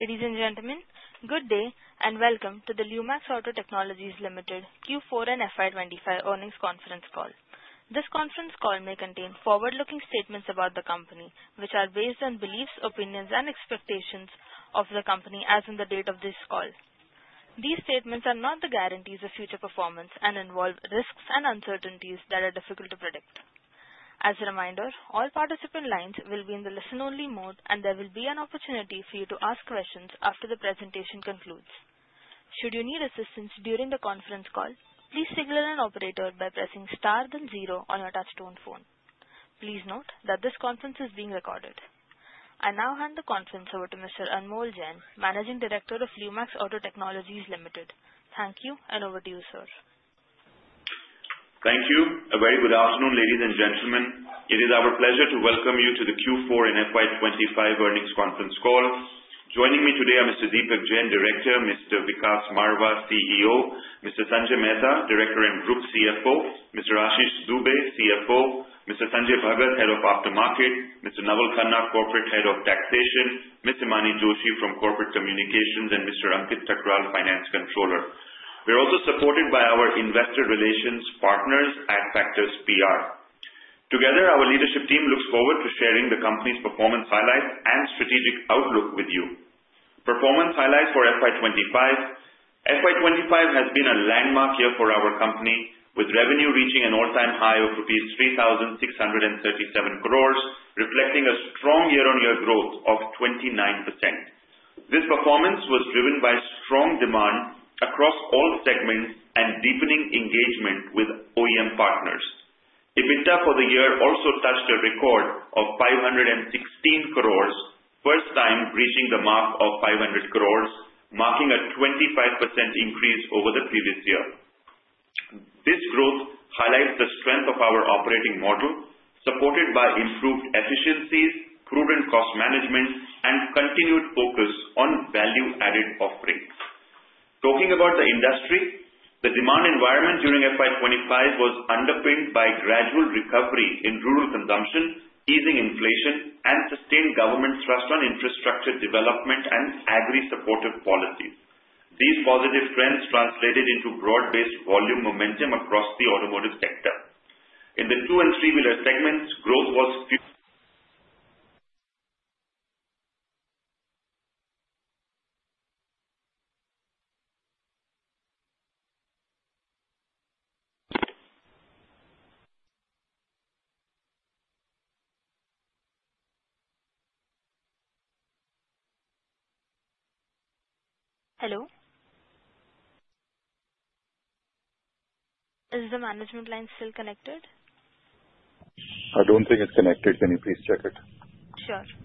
Ladies and gentlemen, good day and welcome to the Lumax Auto Technologies Limited Q4 and FY 2025 Earnings Conference Call. This conference call may contain forward-looking statements about the company, which are based on beliefs, opinions, and expectations of the company as of the date of this call. These statements are not the guarantees of future performance and involve risks and uncertainties that are difficult to predict. As a reminder, all participant lines will be in the listen-only mode, and there will be an opportunity for you to ask questions after the presentation concludes. Should you need assistance during the conference call, please signal an operator by pressing star then zero on your touch-tone phone. Please note that this conference is being recorded. I now hand the conference over to Mr. Anmol Jain, Managing Director of Lumax Auto Technologies Limited. Thank you, and over to you, sir. Thank you. A very good afternoon, ladies and gentlemen. It is our pleasure to welcome you to the Q4 and FY 2025 earnings conference call. Joining me today are Mr. Deepak Jain, Director; Mr. Vikas Marwah, CEO; Mr. Sanjay Mehta, Director and Group CFO; Mr. Ashish Dubey, CFO; Mr. Sanjay Bhagat, Head of Aftermarket; Mr. Naval Khanna, Corporate Head of Taxation; Ms. Himani Joshi from Corporate Communications; and Mr. Ankit Thakral, Finance Controller. We're also supported by our investor relations partners, Adfactors PR. Together, our leadership team looks forward to sharing the company's performance highlights and strategic outlook with you. Performance highlights for FY 2025: FY 2025 has been a landmark year for our company, with revenue reaching an all-time high of rupees 3,637 crores, reflecting a strong year-on-year growth of 29%. This performance was driven by strong demand across all segments and deepening engagement with OEM partners. EBITDA for the year also touched a record of 516 crores, first time reaching the mark of 500 crores, marking a 25% increase over the previous year. This growth highlights the strength of our operating model, supported by improved efficiencies, prudent cost management, and continued focus on value-added offerings. Talking about the industry, the demand environment during FY 2025 was underpinned by gradual recovery in rural consumption, easing inflation, and sustained government trust on infrastructure development and agri-supportive policies. These positive trends translated into broad-based volume momentum across the automotive sector. In the two and three-wheeler segments, growth was. Hello? Is the management line still connected? I don't think it's connected. Can you please check it?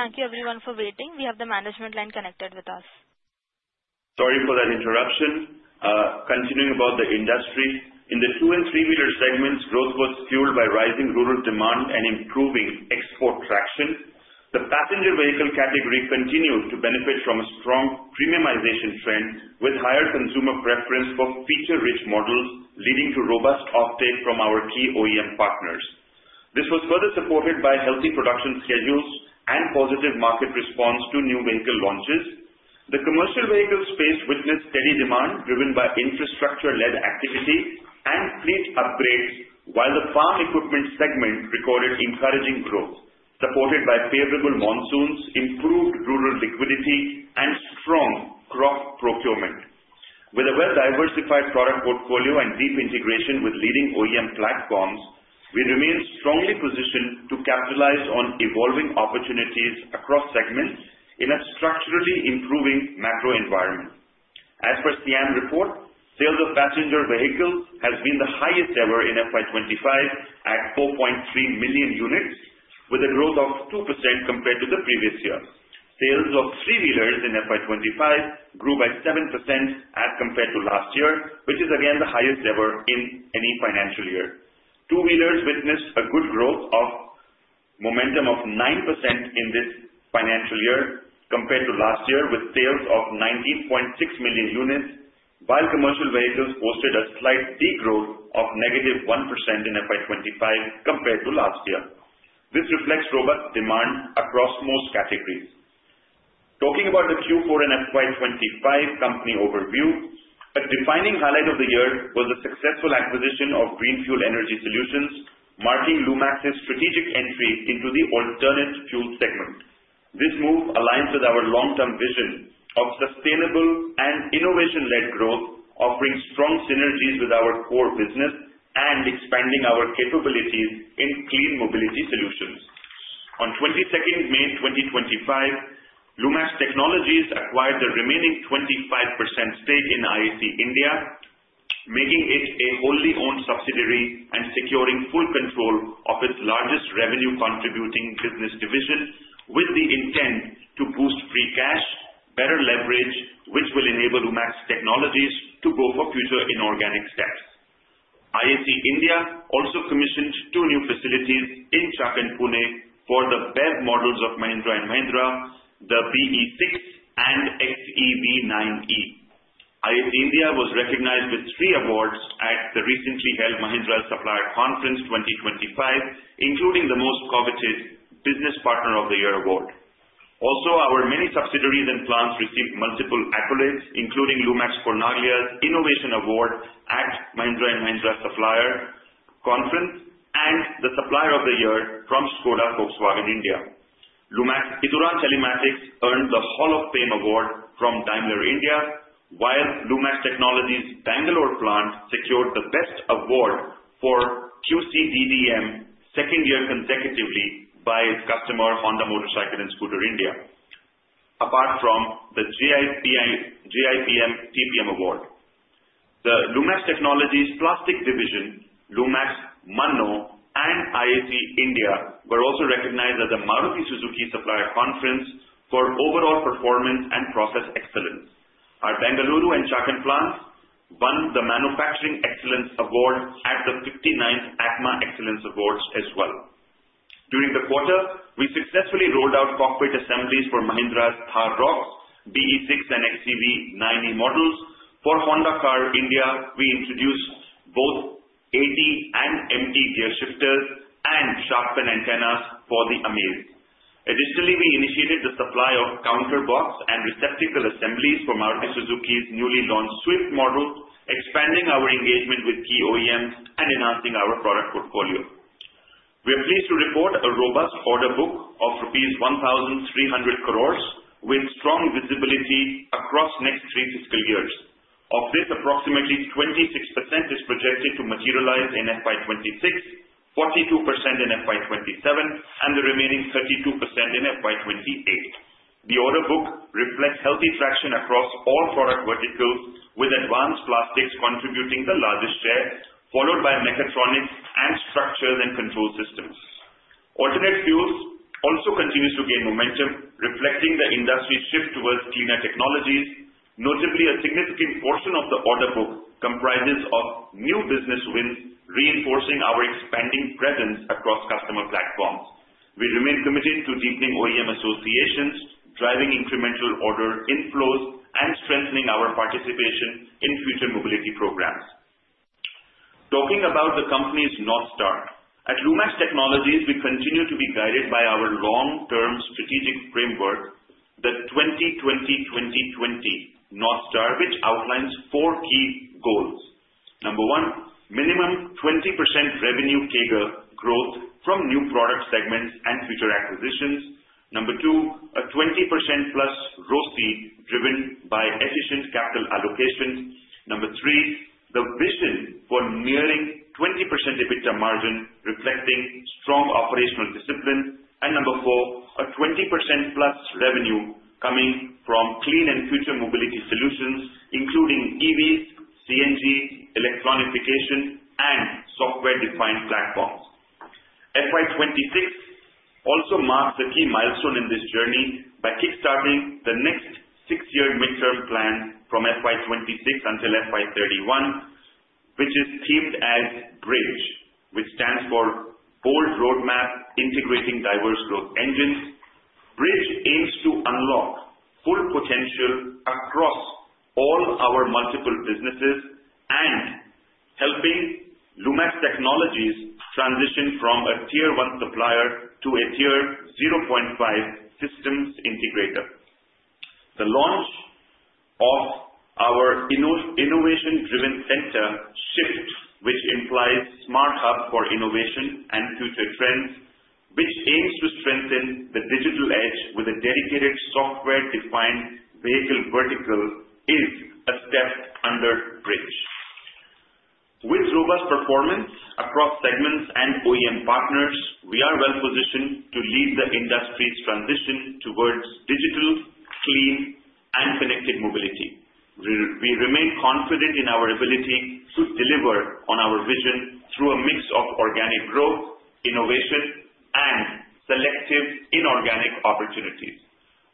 Sure. Thank you, everyone, for waiting. We have the management line connected with us. Sorry for that interruption. Continuing about the industry, in the two and three-wheeler segments, growth was fueled by rising rural demand and improving export traction. The Passenger Vehicle category continued to benefit from a strong premiumization trend, with higher consumer preference for feature-rich models, leading to robust offtake from our key OEM partners. This was further supported by healthy production schedules and positive market response to new vehicle launches. The Commercial Vehicle space witnessed steady demand driven by infrastructure-led activity and fleet upgrades, while the Farm Equipment segment recorded encouraging growth, supported by favorable monsoons, improved rural liquidity, and strong crop procurement. With a well-diversified product portfolio and deep integration with leading OEM platforms, we remain strongly positioned to capitalize on evolving opportunities across segments in a structurally improving macro environment. As per SIAM report, sales of passenger vehicles have been the highest ever in FY 2025, at 4.3 million units, with a growth of 2% compared to the previous year. Sales of three-wheelers in FY 2025 grew by 7% as compared to last year, which is again the highest ever in any financial year. Two-wheelers witnessed a good growth of momentum of 9% in this financial year compared to last year, with sales of 19.6 million units, while Commercial Vehicles posted a slight degrowth of -1% in FY 2025 compared to last year. This reflects robust demand across most categories. Talking about the Q4 and FY 2025 company overview, a defining highlight of the year was the successful acquisition of Greenfuel Energy Solutions, marking Lumax's strategic entry into the alternate fuel segment. This move aligns with our long-term vision of sustainable and innovation-led growth, offering strong synergies with our core business and expanding our capabilities in clean mobility solutions. On 22nd May 2025, Lumax Technologies acquired the remaining 25% stake in IAC India, making it a wholly-owned subsidiary and securing full control of its largest revenue-contributing business division, with the intent to boost free cash, better leverage, which will enable Lumax Technologies to go for future inorganic steps. IAC India also commissioned two new facilities in Chakan, Pune, for the BEV models of Mahindra & Mahindra, the BE 6 and XEV 9e. IAC India was recognized with three awards at the recently held Mahindra Supplier Conference 2025, including the most coveted Business Partner of the Year award. Also, our many subsidiaries and plants received multiple accolades, including Lumax Cornaglia's Innovation Award at Mahindra & Mahindra Supplier Conference and the Supplier of the Year from Škoda Auto Volkswagen India. Lumax Ituran Telematics earned the Hall of Fame Award from Daimler India Commercial Vehicles, while Lumax Technologies' Bangalore plant secured the Best Award for QCDDM second year consecutively by its customer Honda Motorcycle and Scooter India, apart from the JIPM TPM award. The Lumax Auto Technologies' Plastic Division, Lumax Mannoh Allied Technologies Limited, and IAC India were also recognized at the Maruti Suzuki India Supplier Conference for overall performance and process excellence. Our Bengaluru and Chakan plants won the Manufacturing Excellence Award at the 59th ACMA Excellence Awards as well. During the quarter, we successfully rolled out cockpit assemblies for Mahindra's Thar ROXX BE 6e and XEV 9e models. For Honda Cars India, we introduced both AT and MT gear shifters and shark fin antennas for the Amaze. Additionally, we initiated the supply of counter box and receptacle assemblies for Maruti Suzuki's newly launched Swift models, expanding our engagement with key OEMs and enhancing our product portfolio. We are pleased to report a robust order book of rupees 1,300 crores, with strong visibility across next three fiscal years. Of this, approximately 26% is projected to materialize in FY 2026, 42% in FY 2027, and the remaining 32% in FY 2028. The order book reflects healthy traction across all product verticals, with Advanced Plastics contributing the largest share, followed by Mechatronics and Structures and Control Systems. Alternative Fuels also continue to gain momentum, reflecting the industry's shift towards cleaner technologies. Notably, a significant portion of the order book comprises new business wins, reinforcing our expanding presence across customer platforms. We remain committed to deepening OEM associations, driving incremental order inflows, and strengthening our participation in future mobility programs. Talking about the company's NorthStar, at Lumax Auto Technologies, we continue to be guided by our long-term strategic framework, the 20/20/20/20 North Star, which outlines four key goals. Number one, minimum 20% revenue CAGR growth from new product segments and future acquisitions. Number two, a 20%+ ROCE driven by efficient capital allocation. Number three, the vision for nearing 20% EBITDA margin, reflecting strong operational discipline. And number four, a 20%+ revenue coming from clean and future mobility solutions, including EVs, CNG, electronification, and software-defined platforms. FY 2026 also marks a key milestone in this journey by kickstarting the next six-year midterm plan from FY 2026 until FY 2031, which is themed as BRIDGE, which stands for Bold Roadmap Integrating Diverse Growth Engines. BRIDGE aims to unlock full potential across all our multiple businesses and help Lumax Auto Technologies transition from a Tier 1 supplier to a Tier 0.5 systems integrator. The launch of our innovation-driven center, SHIFT, which implies a Smart Hub for Innovation and Future Trends, which aims to strengthen the digital edge with a dedicated software-defined vehicle vertical, is a step under BRIDGE. With robust performance across segments and OEM partners, we are well-positioned to lead the industry's transition towards digital, clean, and connected mobility. We remain confident in our ability to deliver on our vision through a mix of organic growth, innovation, and selective inorganic opportunities.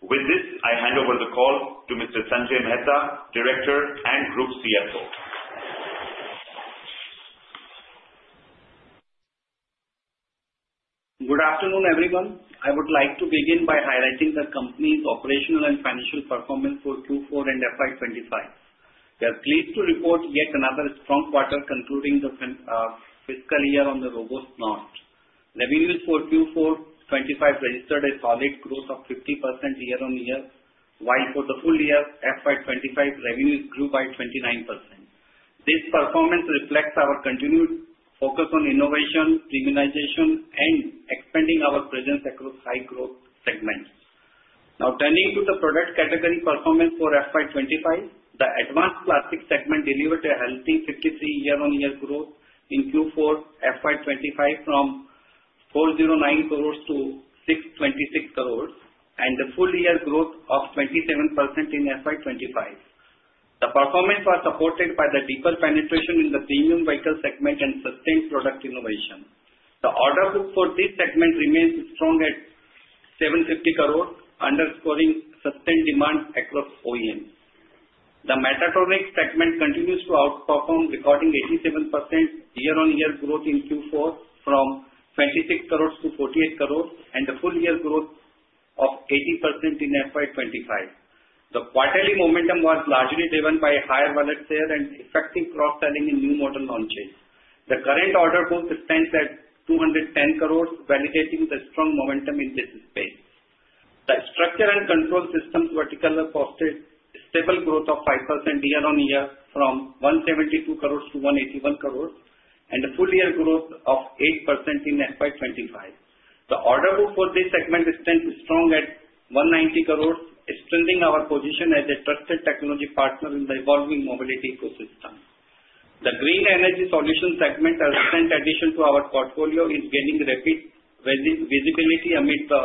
With this, I hand over the call to Mr. Sanjay Mehta, Director and Group CFO. Good afternoon, everyone. I would like to begin by highlighting the company's operational and financial performance for Q4 and FY 2025. We are pleased to report yet another strong quarter, concluding the fiscal year on a robust note. Revenues for Q4 FY 2025 registered a solid growth of 50% year-on-year, while for the full year, FY 2025 revenues grew by 29%. This performance reflects our continued focus on innovation, premiumization, and expanding our presence across high-growth segments. Now, turning to the product category performance for FY 2025, the Advanced Plastics segment delivered a healthy 53% year-on-year growth in Q4 FY 2025 from 409 crores to 626 crores, and a full-year growth of 27% in FY 2025. The performance was supported by the deeper penetration in the premium vehicle segment and sustained product innovation. The order book for this segment remains strong at 750 crores, underscoring sustained demand across OEMs. The Mechatronics segment continues to outperform, recording 87% year-on-year growth in Q4 from 26 crores to 48 crores, and a full-year growth of 80% in FY 2025. The quarterly momentum was largely driven by higher wallet share and effective cross-selling in new model launches. The current order book stands at 210 crores, validating the strong momentum in this space. The Structure and Control Systems vertical posted stable growth of 5% year-on-year from 172 crores to 181 crores, and a full-year growth of 8% in FY 2025. The order book for this segment stands strong at 190 crores, strengthening our position as a trusted technology partner in the evolving mobility ecosystem. The Green Energy Solutions segment, a recent addition to our portfolio, is gaining rapid visibility amid the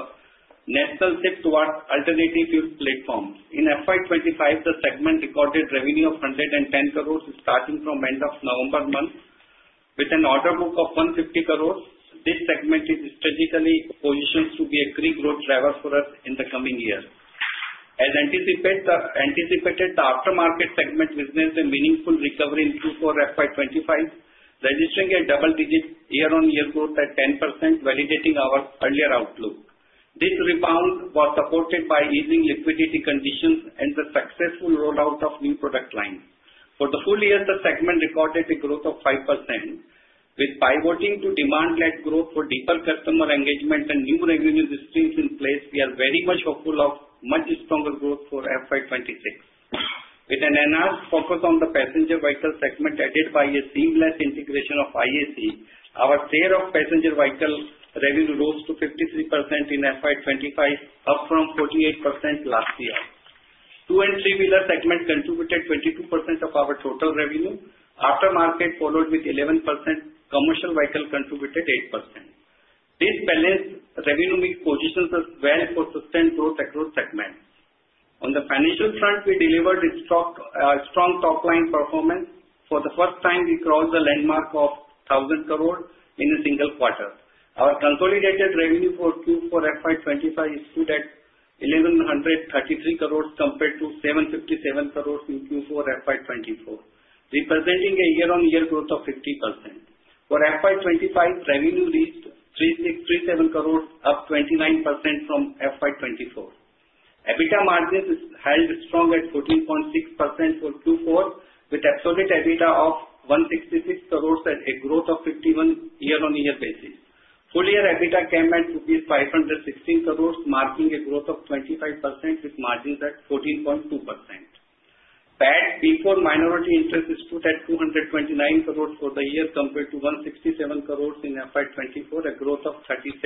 national shift towards alternative fuel platforms. In FY 2025, the segment recorded revenue of 110 crores, starting from the end of November month, with an order book of 150 crores. This segment is strategically positioned to be a key growth driver for us in the coming year. As anticipated, the Aftermarket segment witnessed a meaningful recovery in Q4 FY 2025, registering a double-digit year-on-year growth at 10%, validating our earlier outlook. This rebound was supported by easing liquidity conditions and the successful rollout of new product lines. For the full year, the segment recorded a growth of 5%. With pivoting to demand-led growth for deeper customer engagement and new revenue streams in place, we are very much hopeful of much stronger growth for FY 2026. With an enhanced focus on the Passenger Vehicle segment added by a seamless integration of IAC, our share of Passenger Vehicle revenue rose to 53% in FY 2025, up from 48% last year. Two and three-wheeler segment contributed 22% of our total revenue. Aftermarket followed with 11%, Commercial Vehicle contributed 8%. This balanced revenue mix positions us well for sustained growth across segments. On the financial front, we delivered a strong top-line performance. For the first time, we crossed the landmark of 1,000 crores in a single quarter. Our consolidated revenue for Q4 FY 2025 is good at 1,133 crores compared to 757 crores in Q4 FY24, representing a year-on-year growth of 50%. For FY 2025, revenue reached INR 3,637 crores, up 29% from FY 2024. EBITDA margins held strong at 14.6% for Q4, with absolute EBITDA of 166 crores at a growth of 51% year-on-year basis. Full-year EBITDA came at 516 crores, marking a growth of 25% with margins at 14.2%. PAT before minority interest is put at 229 crores for the year compared to 167 crores in FY 2024, a growth of 37%.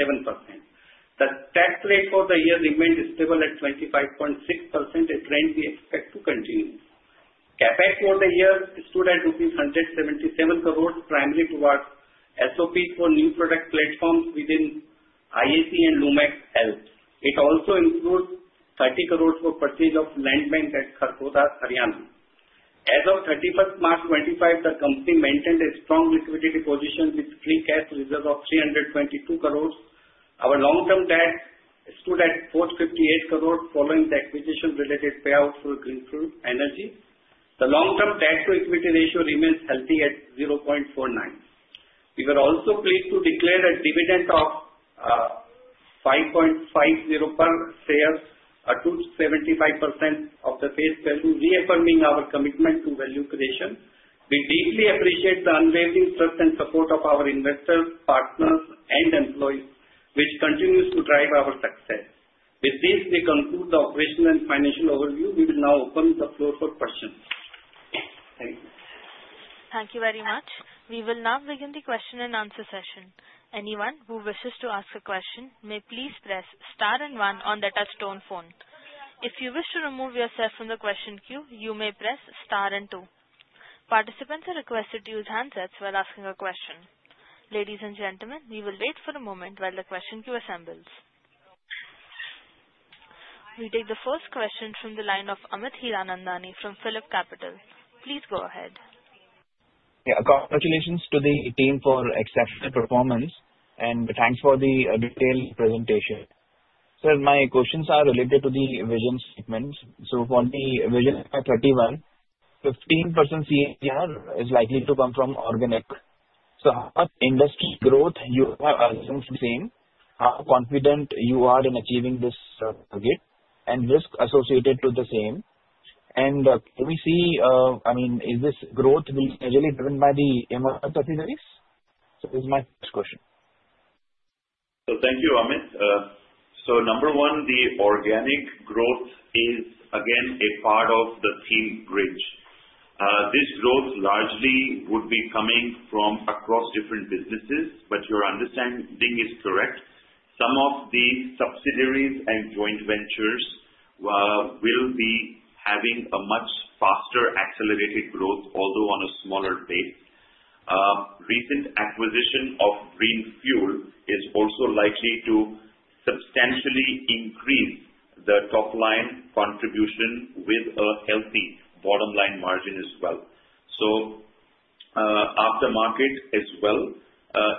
The tax rate for the year remained stable at 25.6%, a trend we expect to continue. CapEx for the year is stood at rupees 177 crores, primarily towards SOPs for new product platforms within IAC and Lumax Health. It also includes 30 crores for purchase of Land Bank at Kharkhoda, Haryana. As of 31st March 2025, the company maintained a strong liquidity position with free cash reserves of 322 crores. Our long-term debt stood at 458 crores, following the acquisition-related payout for Greenfuel Energy. The long-term debt-to-equity ratio remains healthy at 0.49. We were also pleased to declare a dividend of 5.50 per share, 275% of the face value, reaffirming our commitment to value creation. We deeply appreciate the unwavering trust and support of our investors, partners, and employees, which continues to drive our success. With this, we conclude the operational and financial overview. We will now open the floor for questions. Thank you. Thank you very much. We will now begin the question and answer session. Anyone who wishes to ask a question may please press star and one on the touch-tone phone. If you wish to remove yourself from the question queue, you may press star and two. Participants are requested to use handsets while asking a question. Ladies and gentlemen, we will wait for a moment while the question queue assembles. We take the first question from the line of Amit Hiranandani from PhillipCapital. Please go ahead. Yeah, congratulations to the team for exceptional performance, and thanks for the detailed presentation. Sir, my questions are related to the vision statements. So for the vision FY 2031, 15% CAGR is likely to come from organic. So how much industry growth you have assumed to be the same, how confident you are in achieving this target, and risk associated to the same? And can we see, I mean, is this growth will be gradually driven by the emerging subsidiaries? So this is my first question. So thank you, Amit. Number one, the organic growth is, again, a part of the theme BRIDGE. This growth largely would be coming from across different businesses, but your understanding is correct. Some of the subsidiaries and joint ventures will be having a much faster accelerated growth, although on a smaller base. Recent acquisition of Greenfuel is also likely to substantially increase the top-line contribution with a healthy bottom-line margin as well. Aftermarket as well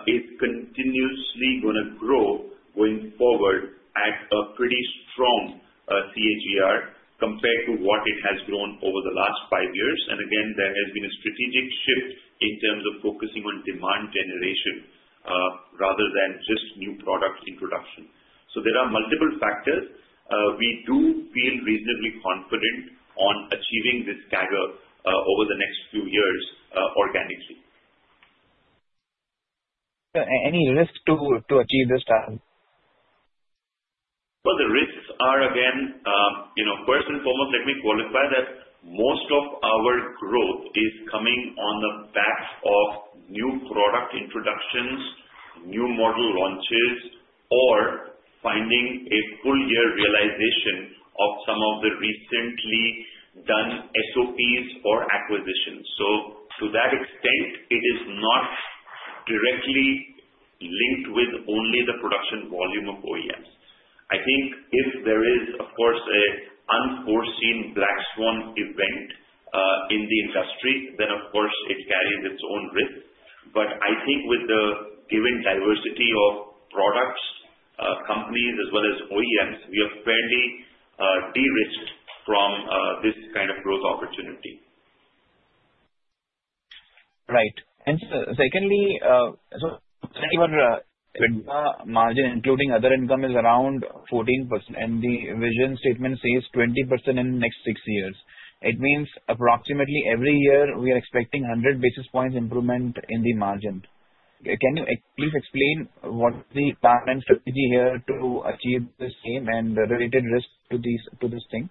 is continuously going to grow going forward at a pretty strong CAGR compared to what it has grown over the last five years. Again, there has been a strategic shift in terms of focusing on demand generation rather than just new product introduction. There are multiple factors. We do feel reasonably confident on achieving this CAGR over the next few years organically. So any risks to achieve this target? Well, the risks are, again, first and foremost, let me qualify that most of our growth is coming on the back of new product introductions, new model launches, or finding a full-year realization of some of the recently done SOPs or acquisitions. So to that extent, it is not directly linked with only the production volume of OEMs. I think if there is, of course, an unforeseen black swan event in the industry, then, of course, it carries its own risk. But I think with the given diversity of products, companies, as well as OEMs, we are fairly de-risked from this kind of growth opportunity. Right. And secondly, so your margin, including other income, is around 14%, and the vision statement says 20% in the next six years. It means approximately every year we are expecting 100 basis points improvement in the margin. Can you please explain what the plan and strategy here to achieve this aim and the related risk to this thing?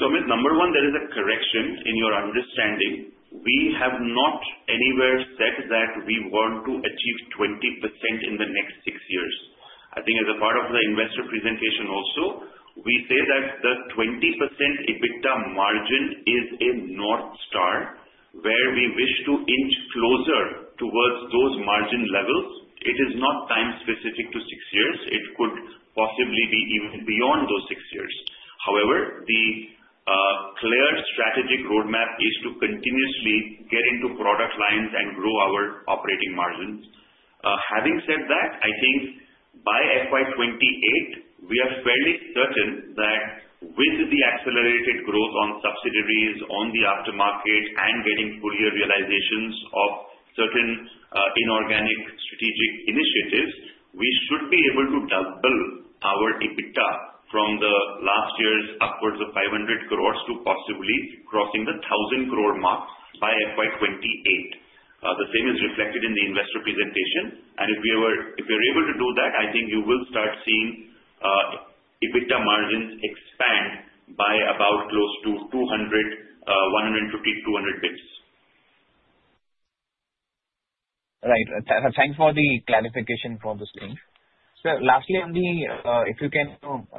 Amit, number one, there is a correction in your understanding. We have not anywhere said that we want to achieve 20% in the next six years. I think as a part of the investor presentation also, we say that the 20% EBITDA margin is a NorthStar where we wish to inch closer towards those margin levels. It is not time-specific to six years. It could possibly be even beyond those six years. However, the clear strategic roadmap is to continuously get into product lines and grow our operating margins. Having said that, I think by FY 2028, we are fairly certain that with the accelerated growth on subsidiaries, on the Aftermarket, and getting full-year realizations of certain inorganic strategic initiatives, we should be able to double our EBITDA from the last year's upwards of 500 crores to possibly crossing the 1,000 crore mark by FY 2028. The same is reflected in the investor presentation, and if we are able to do that, I think you will start seeing EBITDA margins expand by about close to 150-200 basis points. Right. Thanks for the clarification for this thing. So lastly, if you can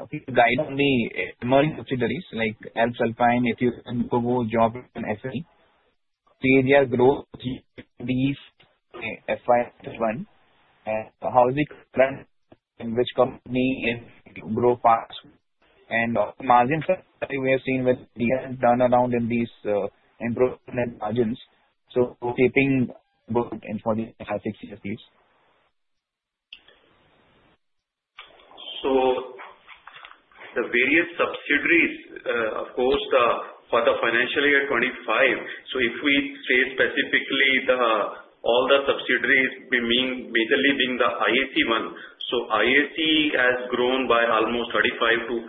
please guide on the emerging subsidiaries like Alps Alpine, Yokowo, JOPP, and FAE, CAGR growth in these FY 2031? And how is it currently in which company is growing fast, and margins that we have seen with the turnaround in these improvement margins, so keeping good for the next six years, please? So the various subsidiaries, of course, for the financial year 2025, so if we say specifically all the subsidiaries, meaning majorly being the IAC one, so IAC has grown by almost 35%-40%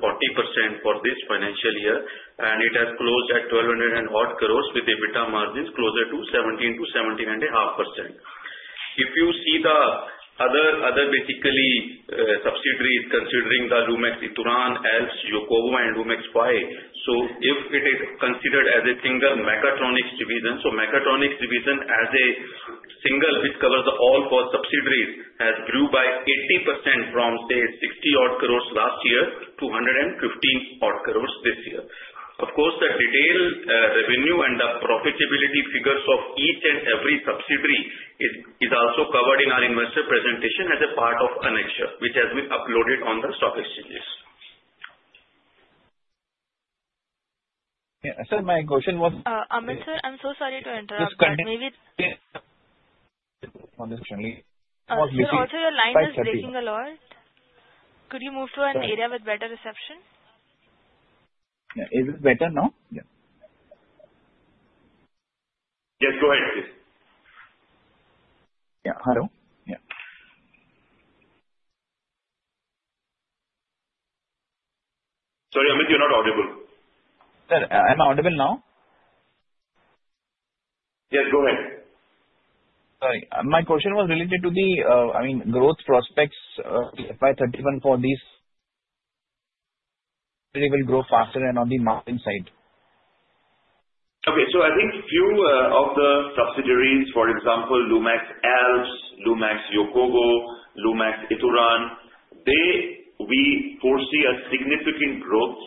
for this financial year, and it has closed at 1,200 crores with EBITDA margins closer to 17%-17.5%. If you see the other basically subsidiaries considering the Lumax Ituran, Alps, Yokowo and Lumax FAE, so if it is considered as a single Mechatronics division, so Mechatronics division as a single which covers all four subsidiaries has grew by 80% from, say, 60 crores last year to 115 crores this year. Of course, the detailed revenue and the profitability figures of each and every subsidiary is also covered in our investor presentation as a part of annexure, which has been uploaded on the stock exchanges. Yeah. Sir, my question was. Amit sir, I'm so sorry to interrupt. Maybe. Sorry. Also, your line was breaking a lot. Could you move to an area with better reception? Is it better now? Yes, go ahead, please. Yeah. Hello? Yeah. Amit, you're not audible. Sir, I'm audible now? Yes, go ahead. Sorry. My question was related to the, I mean, growth prospects of FY 2031 for these subsidiaries will grow faster and on the margin side? Okay. So I think few of the subsidiaries, for example, Lumax Alps, Lumax Yokowo, Lumax Ituran, we foresee a significant growth,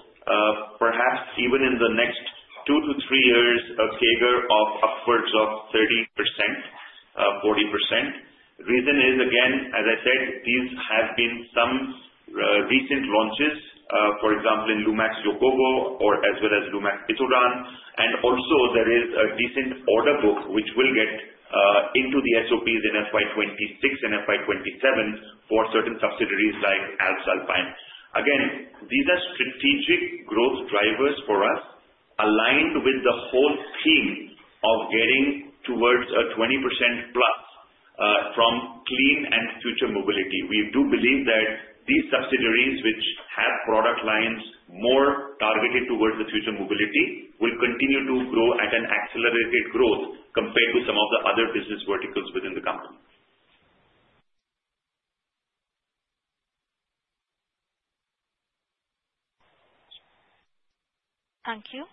perhaps even in the next two to three years, a CAGR of upwards of 30%, 40%. Reason is, again, as I said, these have been some recent launches, for example, in Lumax Yokowo or as well as Lumax Ituran, and also there is a decent order book which will get into the SOPs in FY 2026 and FY 2027 for certain subsidiaries like Alps Alpine. Again, these are strategic growth drivers for us aligned with the whole theme of getting towards a 20%+ from clean and future mobility. We do believe that these subsidiaries which have product lines more targeted towards the future mobility will continue to grow at an accelerated growth compared to some of the other business verticals within the company. Thank you.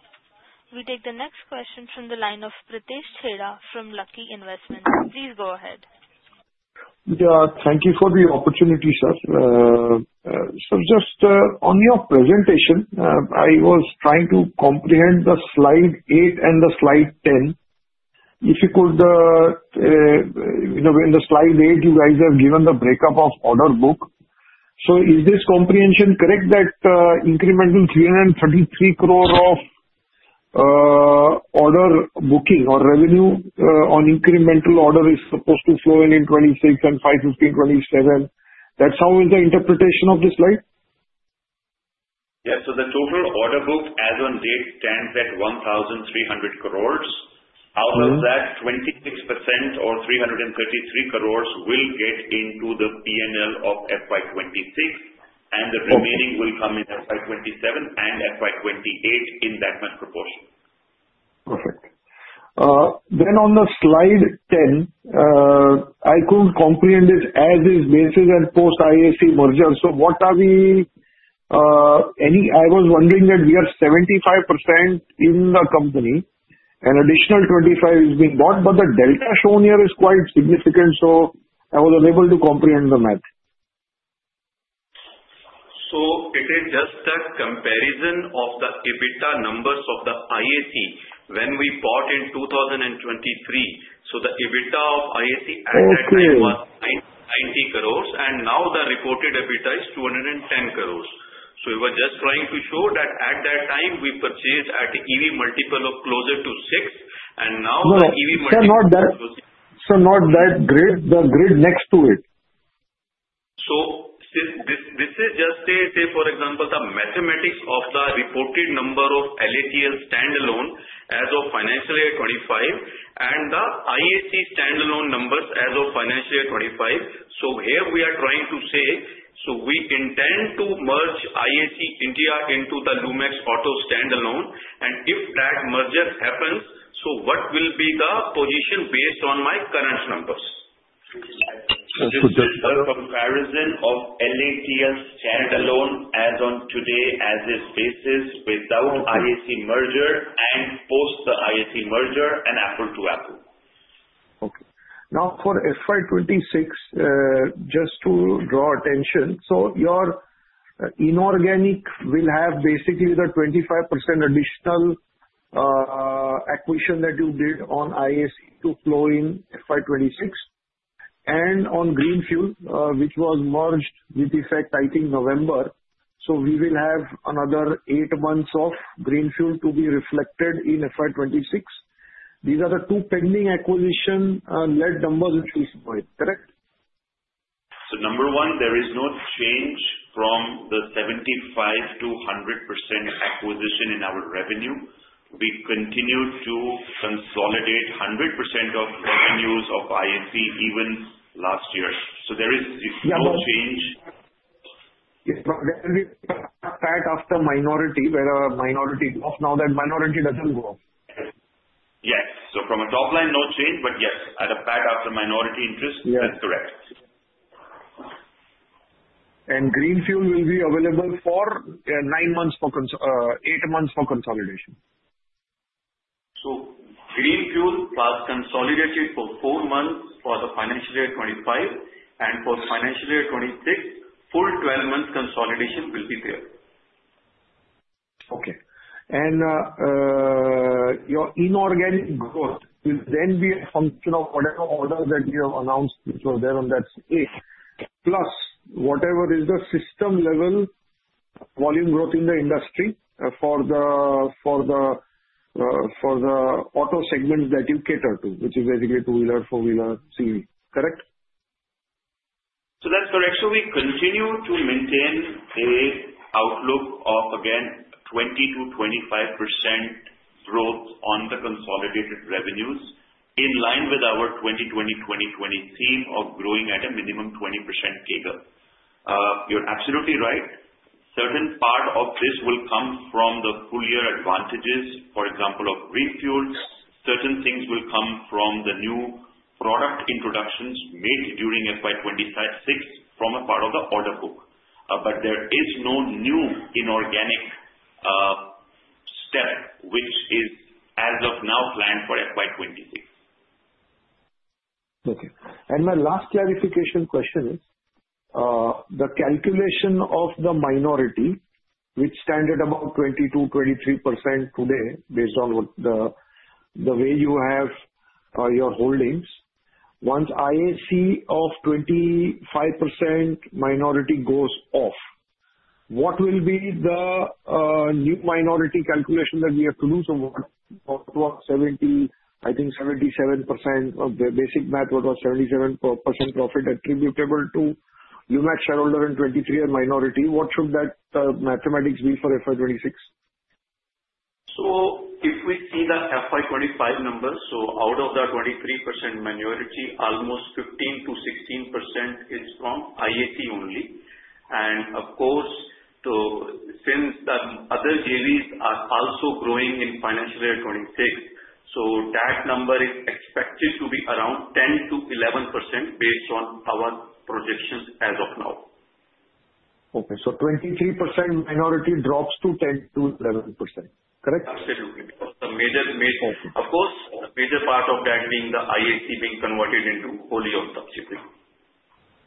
We take the next question from the line of Pritesh Chheda from Lucky Investments. Please go ahead. Yeah. Thank you for the opportunity, sir. So just on your presentation, I was trying to comprehend the slide eight and the slide 10. If you could, in the slide eight, you guys have given the breakup of order book. So is this comprehension correct that incremental 333 crore of order booking or revenue on incremental order is supposed to flow in in 2026 and FY 2027? That's how is the interpretation of the slide? Yes. So the total order book as of date stands at 1,300 crores. Out of that, 26% or 333 crores will get into the P&L of FY 2026, and the remaining will come in FY 2027 and FY 2028 in that much proportion. Perfect. Then on slide 10, I couldn't comprehend it as-is basis and post-IAC merger. So I was wondering that we are 75% in the company, and additional 25% is being bought, but the delta shown here is quite significant, so I was unable to comprehend the math. It is just the comparison of the EBITDA numbers of the IAC when we bought in 2023. The EBITDA of IAC at that time was 90 crores, and now the reported EBITDA is 210 crores. We were just trying to show that at that time we purchased at EV multiple of closer to six, and now the EV multiple. So not that grid, the grid next to it. This is just, say, for example, the mathematics of the reported number of LATL standalone as of financial year 2025 and the IAC standalone numbers as of financial year 2025. Here we are trying to say, so we intend to merge IAC India into the Lumax Auto standalone, and if that merger happens, so what will be the position based on my current numbers. Just the comparison of LATL standalone as on today as is basis without IAC merger and post the IAC merger and apples to apples. Okay. Now, for FY 2026, just to draw attention, so your inorganic will have basically the 25% additional acquisition that you did on IAC to flow in FY 2026, and on Greenfuel, which was merged with effect, I think, November. So we will have another eight months of Greenfuel to be reflected in FY 2026. These are the two pending acquisition-led numbers which we saw it, correct? Number one, there is no change from the 75%-100% acquisition in our revenue. We continue to consolidate 100% of revenues of IAC even last year. There is no change. Yes, but there is a PAT after minority where a minority growth. Now that minority doesn't grow up. Yes. So from a top line, no change, but yes, at a PAT after minority interest, that's correct. Greenfuel will be available for eight months for consolidation? Greenfuel was consolidated for four months for the financial year 2025, and for financial year 2026, full 12 months consolidation will be there. Okay. And your inorganic growth will then be a function of whatever order that you have announced which was there on that page, plus whatever is the system level volume growth in the industry for the Auto segments that you cater to, which is basically two-wheeler, four-wheeler, CV, correct? That's correct. We continue to maintain an outlook of, again, 20%-25% growth on the consolidated revenues in line with our 20/20/20/20 theme of growing at a minimum 20% CAGR. You're absolutely right. Certain part of this will come from the full-year advantages, for example, of Greenfuel. Certain things will come from the new product introductions made during FY 2026 from a part of the order book. But there is no new inorganic step which is, as of now, planned for FY 2026. Okay. And my last clarification question is, the calculation of the minority which stands at about 20%-23% today based on the way you have your holdings, once IAC of 25% minority goes off, what will be the new minority calculation that we have to do? So what was 70%, I think 77% basic math, what was 77% profit attributable to Lumax shareholders and 23% minority? What should that mathematics be for FY 2026? If we see the FY 2025 numbers, out of the 23% minority, almost 15%-16% is from IAC only. And of course, since the other JVs are also growing in financial year 26, that number is expected to be around 10%-11% based on our projections as of now. Okay. So 23% minority drops to 10%-11%, correct? Absolutely. Of course, the major part of that being the IAC being converted into a wholly owned subsidiary.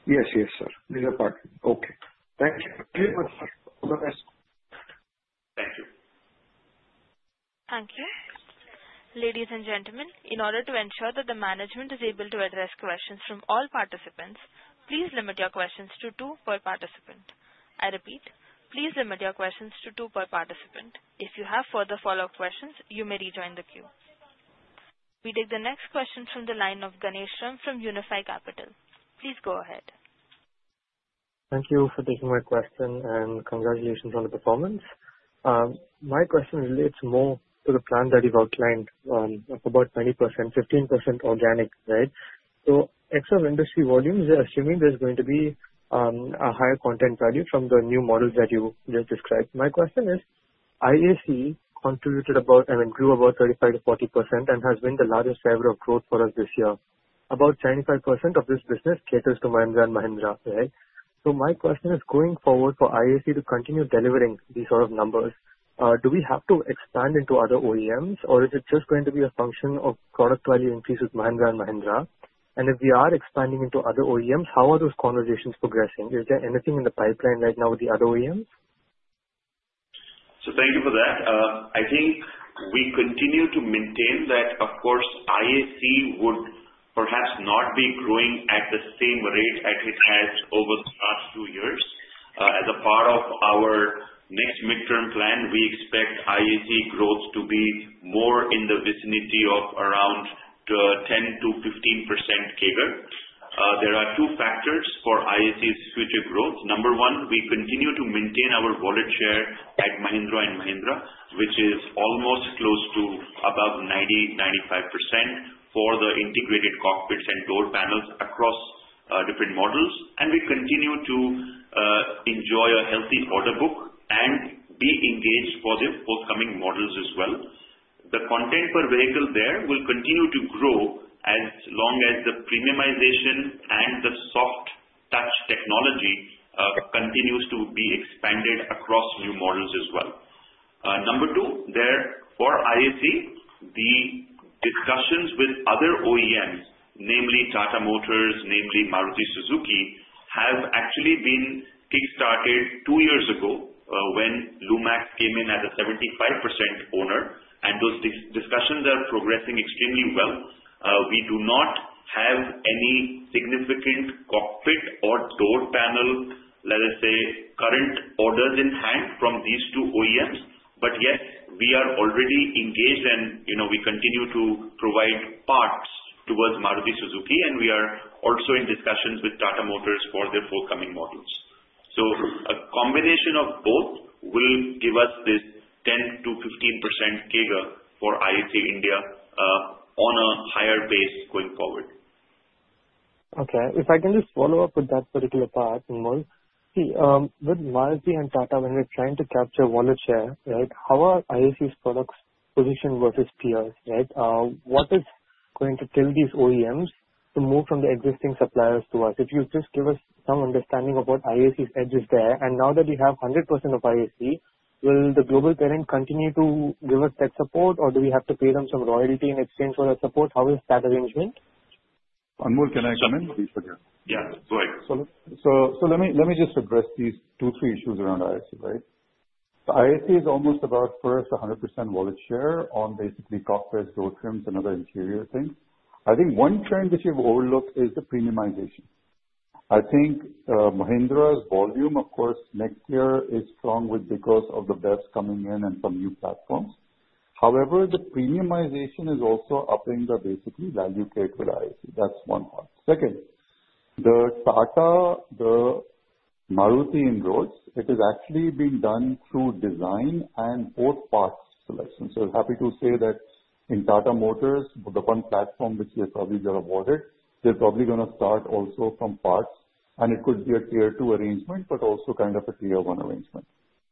Yes, yes, sir. Major part. Okay. Thanks very much. All the best. Thank you. Thank you. Ladies and gentlemen, in order to ensure that the management is able to address questions from all participants, please limit your questions to two per participant. I repeat, please limit your questions to two per participant. If you have further follow-up questions, you may rejoin the queue. We take the next question from the line of Ganesh Ram from Unifi Capital. Please go ahead. Thank you for taking my question and congratulations on the performance. My question relates more to the plan that you've outlined for about 20%, 15% organic, right? So for industry volumes, assuming there's going to be a higher content value from the new models that you just described, my question is, IAC contributed about, I mean, grew about 35%-40% and has been the largest driver of growth for us this year. About 95% of this business caters to Mahindra & Mahindra, right? So my question is, going forward for IAC to continue delivering these sort of numbers, do we have to expand into other OEMs, or is it just going to be a function of product value increase with Mahindra & Mahindra? And if we are expanding into other OEMs, how are those conversations progressing? Is there anything in the pipeline right now with the other OEMs? So thank you for that. I think we continue to maintain that, of course, IAC would perhaps not be growing at the same rate as it has over the past two years. As a part of our next midterm plan, we expect IAC growth to be more in the vicinity of around 10%-15% CAGR. There are two factors for IAC's future growth. Number one, we continue to maintain our wallet share at Mahindra & Mahindra, which is almost close to above 90%-95% for the integrated cockpits and door panels across different models. And we continue to enjoy a healthy order book and be engaged for the forthcoming models as well. The content per vehicle there will continue to grow as long as the premiumization and the soft touch technology continues to be expanded across new models as well. Number two, for IAC, the discussions with other OEMs, namely Tata Motors, namely Maruti Suzuki, have actually been kickstarted two years ago when Lumax came in as a 75% owner, and those discussions are progressing extremely well. We do not have any significant cockpit or door panel, let us say, current orders in hand from these two OEMs, but yes, we are already engaged and we continue to provide parts towards Maruti Suzuki, and we are also in discussions with Tata Motors for their forthcoming models. A combination of both will give us this 10%-15% CAGR for IAC India on a higher base going forward. Okay. If I can just follow up with that particular part, Anmol, see, with Maruti and Tata, when we're trying to capture wallet share, right, how are IAC's products positioned versus peers, right? What is going to tell these OEMs to move from the existing suppliers to us? If you just give us some understanding of what IAC's edge is there, and now that you have 100% of IAC, will the global parent continue to give us that support, or do we have to pay them some royalty in exchange for that support? How is that arrangement? Anmol, can I come in? Yeah. Go ahead. So let me just address these two, three issues around IAC, right? So IAC is almost about first 100% wallet share on basically cockpits, door trims, and other interior things. I think one trend which you've overlooked is the premiumization. I think Mahindra's volume, of course, next year is strong because of the bets coming in and some new platforms. However, the premiumization is also upping the basically value catered to IAC. That's one part. Second, the Tata, the Maruti inroads, it is actually being done through design and both parts selection. So I'm happy to say that in Tata Motors, the one platform which we'll probably get awarded, they're probably going to start also from parts, and it could be a Tier 2 arrangement, but also kind of a Tier 1 arrangement.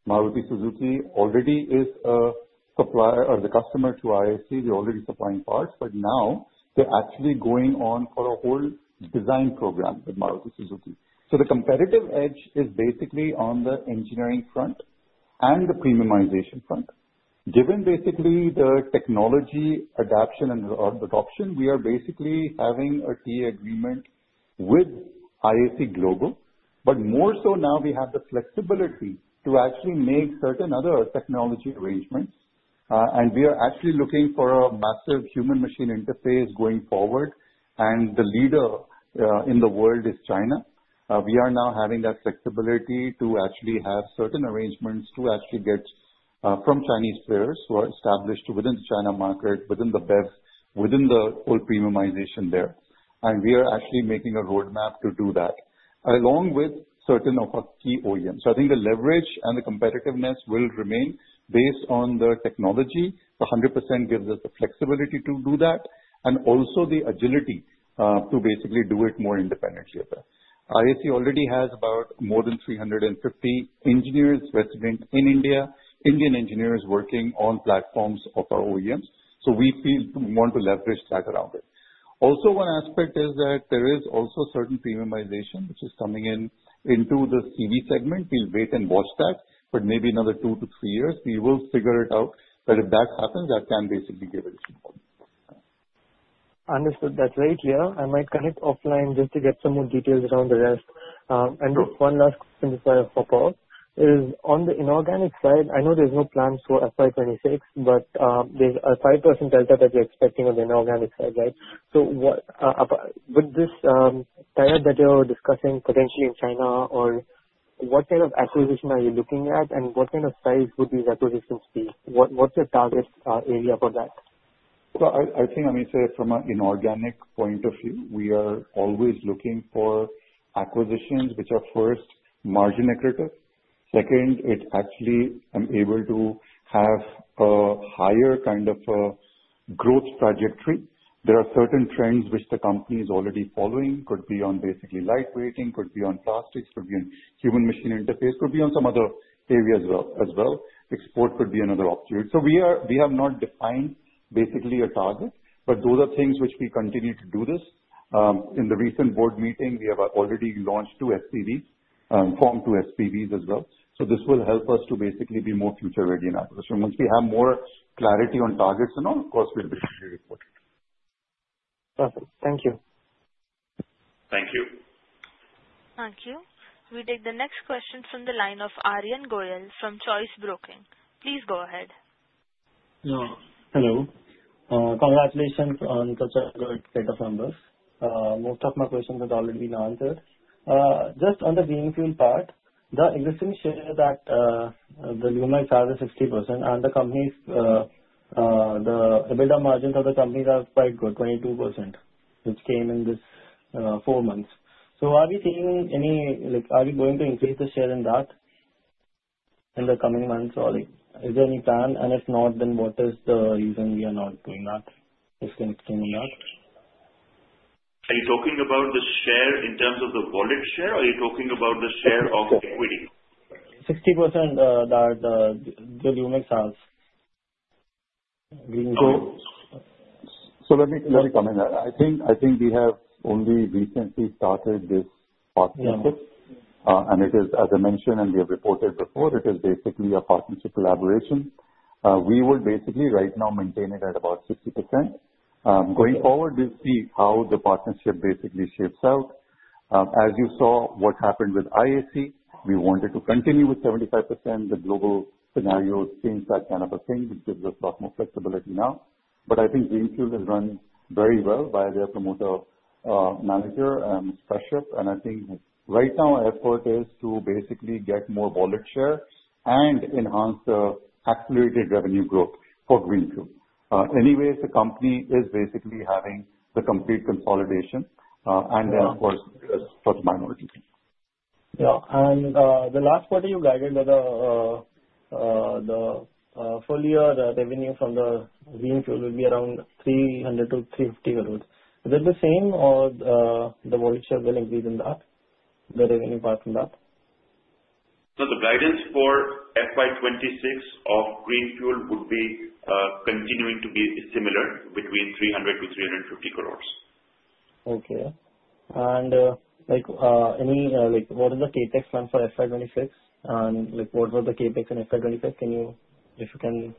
Maruti Suzuki already is a supplier or the customer to IAC. They're already supplying parts, but now they're actually going on for a whole design program with Maruti Suzuki, so the competitive edge is basically on the engineering front and the premiumization front. Given basically the technology adoption, we are basically having a key agreement with IAC Global, but more so now we have the flexibility to actually make certain other technology arrangements, and we are actually looking for a massive human-machine interface going forward, and the leader in the world is China. We are now having that flexibility to actually have certain arrangements to actually get from Chinese players who are established within the China market, within the BEVs, within the whole premiumization there, and we are actually making a roadmap to do that along with certain of our key OEMs. So I think the leverage and the competitiveness will remain based on the technology. The 100% gives us the flexibility to do that and also the agility to basically do it more independently of that. IAC already has about more than 350 engineers resident in India, Indian engineers working on platforms of our OEMs. So we want to leverage that around it. Also, one aspect is that there is also certain premiumization which is coming into the CV segment. We'll wait and watch that, but maybe another two to three years, we will figure it out. But if that happens, that can basically give additional volume. Understood. That's very clear. I might connect offline just to get some more details around the rest. And one last question before I hop off is, on the inorganic side, I know there's no plans for FY 2026, but there's a 5% delta that you're expecting on the inorganic side, right? So would this tie-up that you're discussing potentially in China, or what kind of acquisition are you looking at, and what kind of size would these acquisitions be? What's the target area for that? Well, I think, I mean, say from an inorganic point of view, we are always looking for acquisitions which are first margin-accretive. Second, it actually is able to have a higher kind of growth trajectory. There are certain trends which the company is already following. It could be on basically light-weighting, could be on plastics, could be on human-machine interface, could be on some other area as well. Export could be another opportunity. So we have not defined basically a target, but those are things which we continue to do this. In the recent Board meeting, we have already launched two SPVs, formed two SPVs as well. So this will help us to basically be more future-ready in acquisition. Once we have more clarity on targets and all, of course, this will be reported. Perfect. Thank you. Thank you. Thank you. We take the next question from the line of Aryan Goyal from Choice Broking. Please go ahead. Hello. Congratulations on such a good set of numbers. Most of my questions have already been answered. Just on the Greenfuel part, the existing share that the Lumax has is 60%, and the company's EBITDA margins are quite good, 22%, which came in this four months. So are we going to increase the share in that in the coming months, or is there any plan? And if not, then what is the reason we are not doing that, if you can explain that? Are you talking about the share in terms of the wallet share, or are you talking about the share of equity? 60% that the Lumax has. So let me comment that. I think we have only recently started this partnership, and it is, as I mentioned, and we have reported before, it is basically a partnership collaboration. We would basically right now maintain it at about 60%. Going forward, we'll see how the partnership basically shapes out. As you saw what happened with IAC, we wanted to continue with 75%. The global scenario seems that kind of a thing, which gives us a lot more flexibility now. But I think Greenfuel is running very well by their promoter manager, Kashyap. And I think right now our effort is to basically get more wallet share and enhance the accelerated revenue growth for Greenfuel. Anyway, the company is basically having the complete consolidation, and then, of course, towards minority. Yeah. And the last quarter, you guided that the full year revenue from the Greenfuel will be around 300 crore-350 crore. Is it the same, or the wallet share will increase in that, the revenue part from that? The guidance for FY 2026 of Greenfuel would be continuing to be similar between 300 crore-350 crores. Okay. And what is the CapEx plan for FY 2026? And what was the CapEx in FY 2025? If you can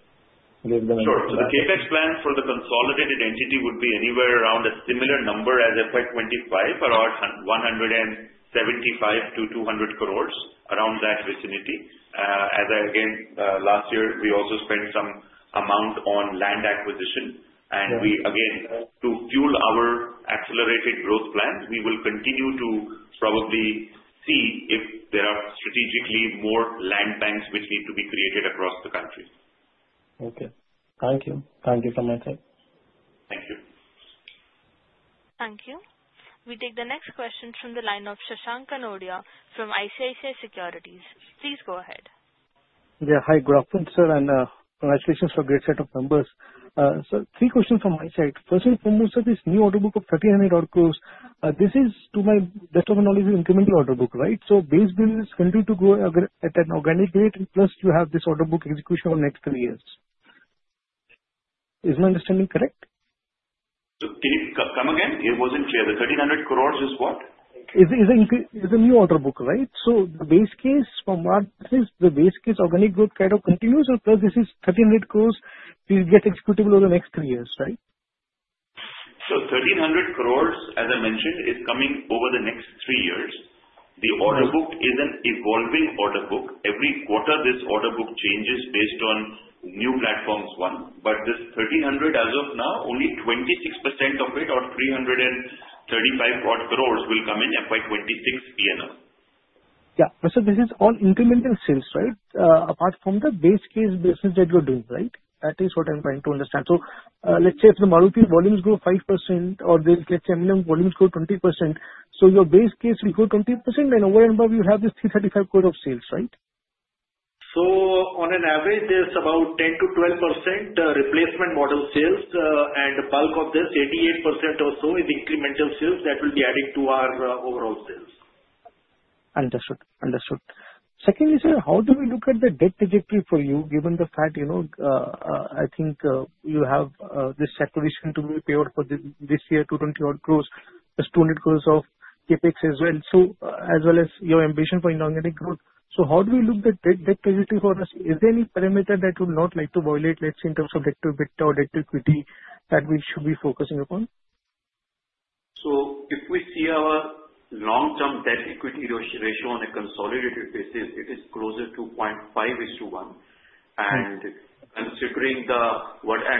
give the number. Sure, so the CapEx plan for the consolidated entity would be anywhere around a similar number as FY 2025, around 175 crore-200 crores, around that vicinity. As I again, last year, we also spent some amount on land acquisition. And we, again, to fuel our accelerated growth plan, we will continue to probably see if there are strategically more land banks which need to be created across the country. Okay. Thank you. Thank you for my time. Thank you. Thank you. We take the next question from the line of Shashank Kanodia from ICICI Securities. Please go ahead. Yeah. Hi, good afternoon, sir, and congratulations for a great set of numbers. So three questions from my side. First and foremost, sir, this new order book of 1,300 crores, this is, to my best of knowledge, an incremental order book, right? So base business is continuing to grow at an organic rate, and plus you have this order book execution over the next three years. Is my understanding correct? So can you come again? It wasn't clear. The 1,300 crores is what? It's a new order book, right? So the base case from Maruti is the base case organic growth kind of continues, and plus this is 1,300 crores to get executable over the next three years, right? 1,300 crores, as I mentioned, is coming over the next three years. The order book is an evolving order book. Every quarter, this order book changes based on new platforms. But this 1,300, as of now, only 26% of it, or 335 crores, will come in FY 2026 P&L. Yeah. So this is all incremental sales, right? Apart from the base case business that you're doing, right? That is what I'm trying to understand. So let's say if the Maruti volumes grow 5%, or let's say M&M volumes grow 20%, so your base case will grow 20%, and over and above, you have this 335 crore of sales, right? So on an average, there's about 10%-12% replacement model sales, and bulk of this, 88% or so, is incremental sales that will be adding to our overall sales. Understood. Understood. Secondly, sir, how do we look at the debt trajectory for you, given the fact I think you have this accretion to be paid out for this year, 220 crores plus 200 crores of CapEx as well, as well as your ambition for inorganic growth? So how do we look at the debt trajectory for us? Is there any parameter that you would not like to violate, let's say, in terms of debt to EBITDA or debt to equity that we should be focusing upon? So if we see our long-term debt equity ratio on a consolidated basis, it is closer to 0.5:1. And considering the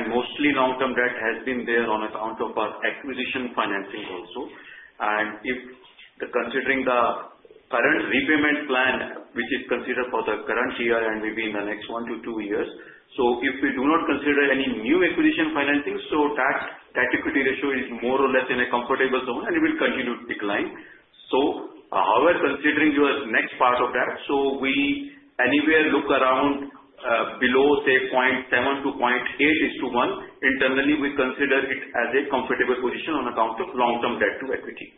mostly long-term debt has been there on account of our acquisition financing also. And considering the current repayment plan, which is considered for the current year, and maybe in the next one to two years. So if we do not consider any new acquisition financing, so that equity ratio is more or less in a comfortable zone, and it will continue to decline. So however, considering your next part of that, so we anywhere look around below, say, 0.7-0.8 is to 1, internally, we consider it as a comfortable position on account of long-term debt to equity.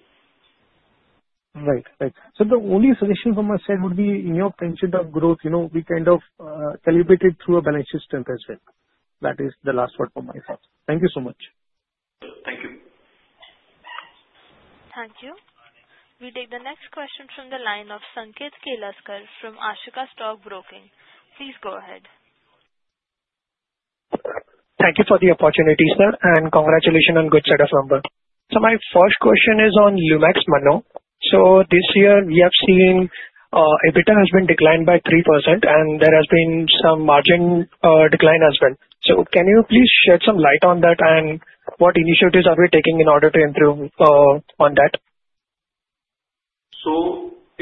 Right. Right. So the only suggestion from my side would be in your penetration of growth, we kind of calibrate it through a balance sheet strength as well. That is the last word from my side. Thank you so much. Thank you. Thank you. We take the next question from the line of Sanket Kelaskar from Ashika Stock Broking. Please go ahead. Thank you for the opportunity, sir, and congratulations on good set of numbers. So my first question is on Lumax Mannoh. So this year, we have seen EBITDA has been declined by 3%, and there has been some margin decline as well. So can you please shed some light on that, and what initiatives are we taking in order to improve on that?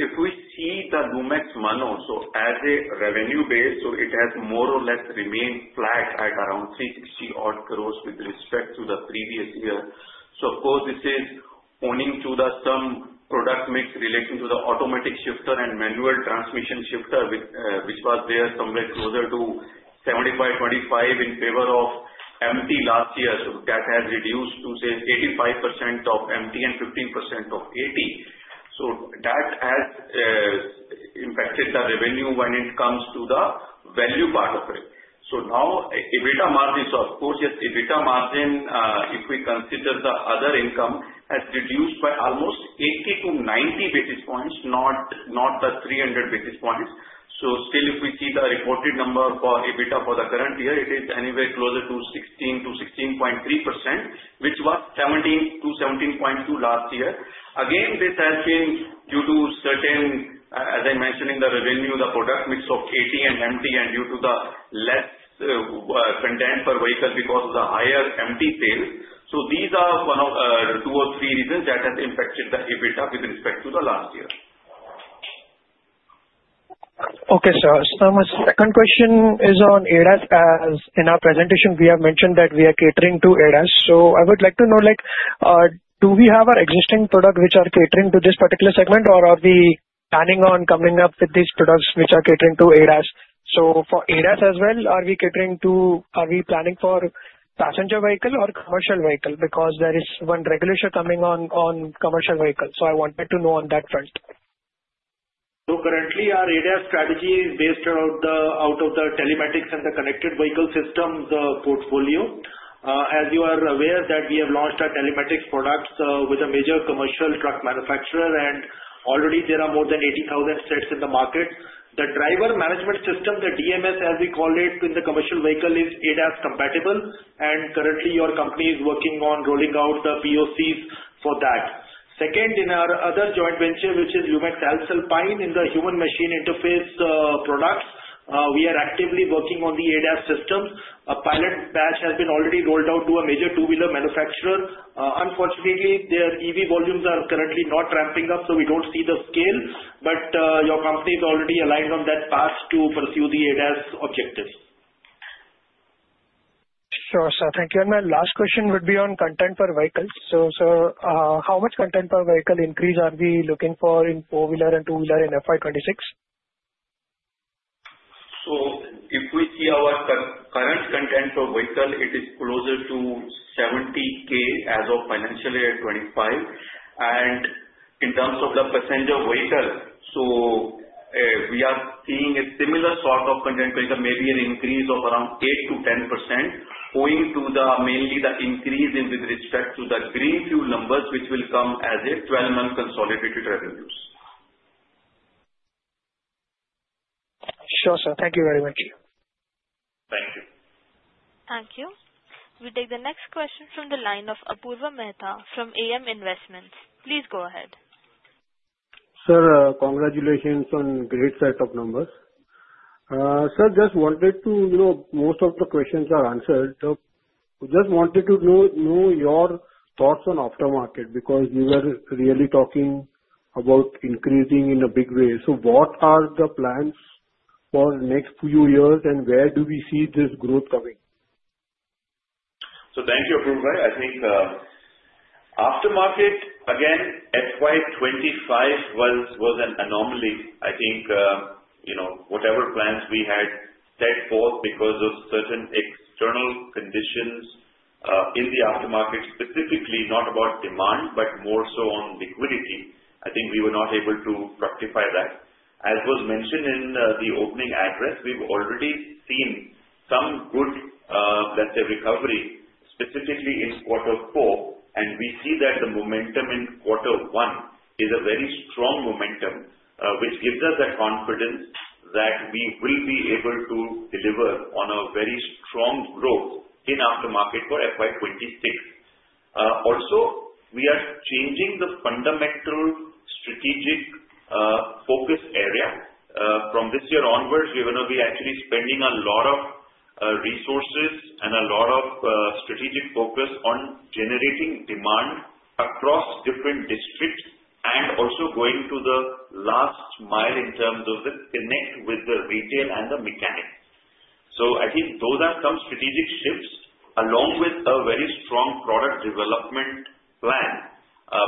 If we see the Lumax Mannoh as a revenue base, it has more or less remained flat at around 360-odd crores with respect to the previous year. Of course, this is owing to some product mix relating to the automatic shifter and manual transmission shifter, which was there somewhere closer to 75%/25% in favor of MT last year. That has reduced to, say, 85% MT and 15% AT. That has impacted the revenue when it comes to the value part of it. Now, EBITDA margin, of course, yes, EBITDA margin, if we consider the other income, has reduced by almost 80-90 basis points, not the 300 basis points. Still, if we see the reported number for EBITDA for the current year, it is anywhere closer to 16%-16.3%, which was 17%-17.2% last year. Again, this has been due to certain, as I mentioned in the revenue, the product mix of AT and MT, and due to the less content per vehicle because of the higher MT sales. So these are one of two or three reasons that has impacted the EBITDA with respect to the last year. Okay, sir. So my second question is on ADAS. In our presentation, we have mentioned that we are catering to ADAS. So I would like to know, do we have our existing product which are catering to this particular segment, or are we planning on coming up with these products which are catering to ADAS? So for ADAS as well, are we catering to, are we planning for passenger vehicle or commercial vehicle? Because there is one regulation coming on commercial vehicles. So I wanted to know on that front. Currently, our ADAS strategy is based out of the telematics and the connected vehicle system portfolio. As you are aware, that we have launched our telematics products with a major commercial truck manufacturer, and already, there are more than 80,000 sets in the market. The driver management system, the DMS, as we call it in the Commercial Vehicle, is ADAS-compatible, and currently, our company is working on rolling out the POCs for that. Second, in our other joint venture, which is Lumax Alps Alpine in the human-machine interface products, we are actively working on the ADAS system. A pilot batch has been already rolled out to a major two-wheeler manufacturer. Unfortunately, their EV volumes are currently not ramping up, so we don't see the scale, but your company is already aligned on that path to pursue the ADAS objective. Sure, sir. Thank you. And my last question would be on content per vehicle. So how much content per vehicle increase are we looking for in four-wheeler and two-wheeler in FY 2026? If we see our current content per vehicle, it is closer to 70K as of financial year 2025. In terms of the percentage of vehicle, so we are seeing a similar sort of content vehicle, maybe an increase of around 8%-10%, owing to mainly the increase with respect to the Greenfuel numbers, which will come as a 12-month consolidated revenues. Sure, sir. Thank you very much. Thank you. Thank you. We take the next question from the line of Apurva Mehta from A M Investments. Please go ahead. Sir, congratulations on great set of numbers. Sir, just wanted to, most of the questions are answered. We just wanted to know your thoughts on Aftermarket because you were really talking about increasing in a big way. So what are the plans for the next few years, and where do we see this growth coming? So thank you, Apurva. I think Aftermarket, again, FY 2025 was an anomaly. I think whatever plans we had set forth because of certain external conditions in the Aftermarket, specifically not about demand, but more so on liquidity, I think we were not able to rectify that. As was mentioned in the opening address, we've already seen some good, let's say, recovery, specifically in quarter four. And we see that the momentum in quarter one is a very strong momentum, which gives us that confidence that we will be able to deliver on a very strong growth in Aftermarket for FY 2026. Also, we are changing the fundamental strategic focus area. From this year onwards, we're going to be actually spending a lot of resources and a lot of strategic focus on generating demand across different districts and also going to the last mile in terms of the connect with the retail and the mechanics. So I think those are some strategic shifts along with a very strong product development plan.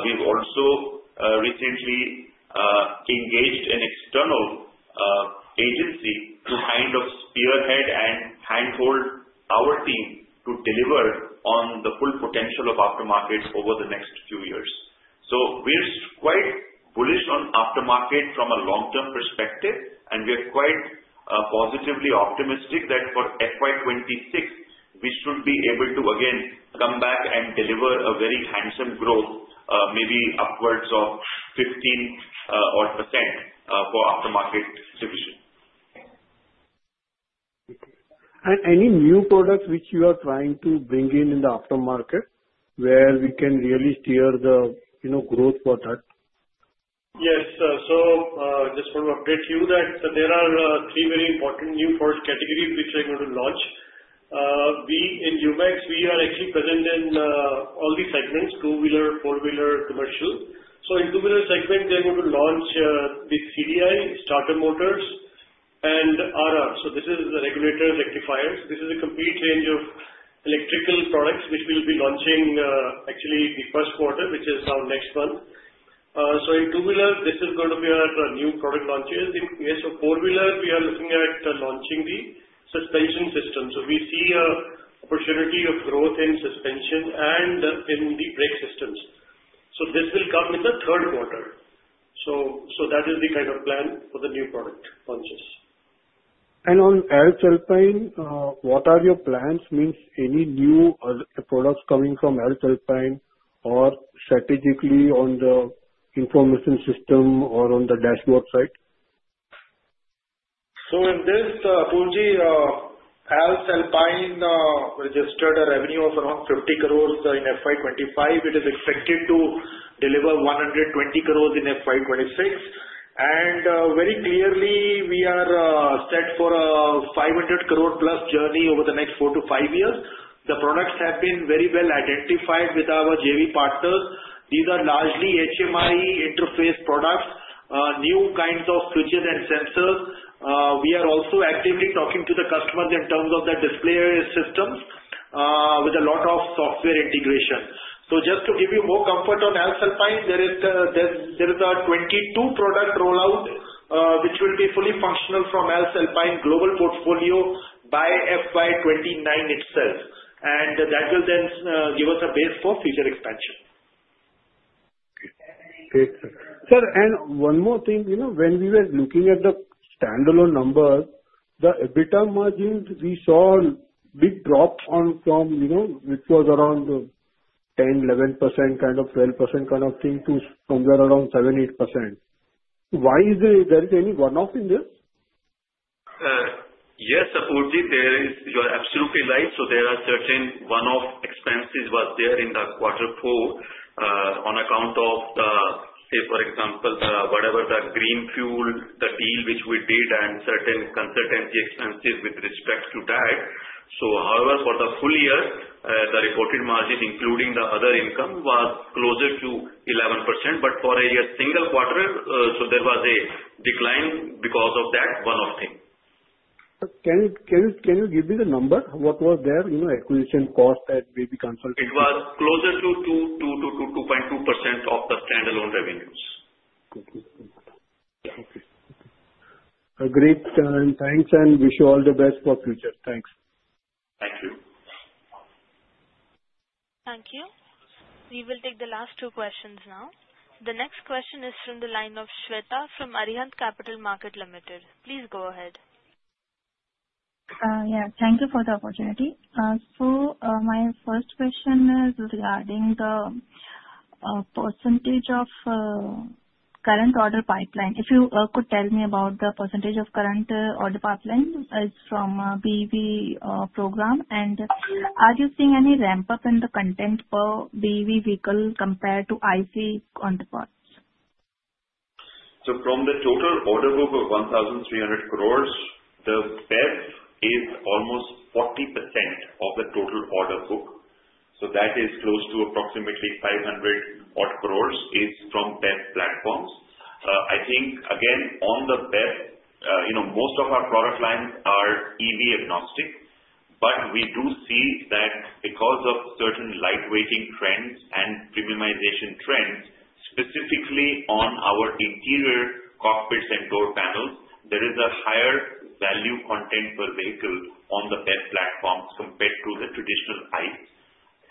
We've also recently engaged an external agency to kind of spearhead and handhold our team to deliver on the full potential of Aftermarket over the next few years. So we're quite bullish on Aftermarket from a long-term perspective, and we are quite positively optimistic that for FY 2026, we should be able to, again, come back and deliver a very handsome growth, maybe upwards of 15% for Aftermarket division. Any new products which you are trying to bring in in the Aftermarket where we can really steer the growth for that? Yes, sir. So just want to update you that there are three very important new product categories which we're going to launch. In Lumax, we are actually present in all the segments: Two-Wheeler, Four-Wheeler, Commercial. So in Two-Wheeler segment, we're going to launch the CDI, starter motors, and RR. So this is the regulator rectifiers. This is a complete range of electrical products which we'll be launching actually the first quarter, which is now next month. So in Two-Wheeler, this is going to be our new product launches. In case of Four-Wheeler, we are looking at launching the suspension system. So we see an opportunity of growth in suspension and in the brake systems. So this will come in the third quarter. So that is the kind of plan for the new product launches. On Alps Alpine, what are your plans? I mean, any new products coming from Alps Alpine or strategically on the information system or on the dashboard side? In this, Apurva, Alps Alpine registered a revenue of around 50 crores in FY 2025. It is expected to deliver 120 crores in FY 2026. And very clearly, we are set for a 500+ crore journey over the next four to five years. The products have been very well identified with our JV partners. These are largely HMI interface products, new kinds of switches and sensors. We are also actively talking to the customers in terms of the display systems with a lot of software integration. Just to give you more comfort on Alps Alpine, there is a 22-product rollout which will be fully functional from Alps Alpine global portfolio by FY 2029 itself. And that will then give us a base for future expansion. Okay. Sir, and one more thing. When we were looking at the standalone numbers, the EBITDA margin, we saw a big drop from which was around 10%, 11%, kind of 12% kind of thing to somewhere around 7%-8%. Why is there any one-off in this? Yes, Apurva, you are absolutely right. So there are certain one-off expenses were there in the quarter four on account of, say, for example, whatever the Greenfuel, the deal which we did, and certain consultancy expenses with respect to that. So however, for the full year, the reported margin, including the other income, was closer to 11%. But for a single quarter, so there was a decline because of that one-off thing. Can you give me the number? What was their acquisition cost at maybe consulting? It was closer to 2%-2.2% of the standalone revenues. Okay. Okay. Great. And thanks. And wish you all the best for future. Thanks. Thank you. Thank you. We will take the last two questions now. The next question is from the line of Shweta from Arihant Capital Markets Limited. Please go ahead. Yeah. Thank you for the opportunity. So my first question is regarding the percentage of current order pipeline. If you could tell me about the percentage of current order pipeline from BEV program, and are you seeing any ramp-up in the content per BEV vehicle compared to ICE counterparts? From the total order book of 1,300 crores, the BEV is almost 40% of the total order book. That is close to approximately 500 crores from BEV platforms. I think, again, on the BEV, most of our product lines are EV-agnostic, but we do see that because of certain light-weighting trends and premiumization trends, specifically on our interior cockpits and door panels, there is a higher value content per vehicle on theBEV platforms compared to the traditional ICE.